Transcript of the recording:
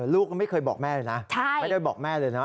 ลูกก็ไม่เคยบอกแม่เลยนะไม่ได้บอกแม่เลยนะ